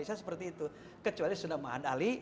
bisa seperti itu kecuali sudah ma'had ali